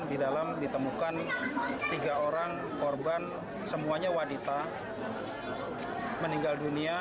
di dalam ditemukan tiga orang korban semuanya wanita meninggal dunia